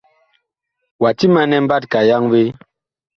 Wa timanɛ mbatka yaŋvee?